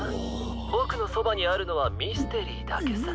ボクのそばにあるのはミステリーだけさ。